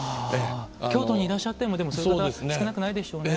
京都にいらっしゃってもでもそういう方少なくないでしょうね。